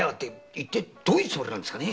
一体どういうつもりなんですかね。